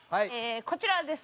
こちらです。